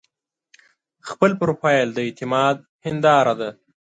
خپل پروفایل د اعتماد هنداره ده.